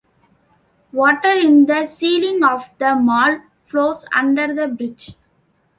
Water in the ceiling of the mall flows under the bridge.